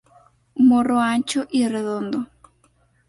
Morro ancho y redondo.